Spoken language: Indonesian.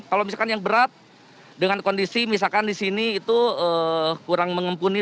kalau misalkan yang berat dengan kondisi misalkan di sini itu kurang mengempuni